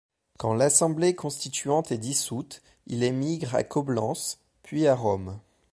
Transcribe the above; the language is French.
Quand l'Assemblée constituante est dissoute, il émigre à Coblence, puis à Rome.